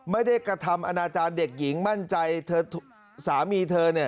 ไม่ได้กระทำอนาจารย์เด็กหญิงมั่นใจเธอสามีเธอเนี่ย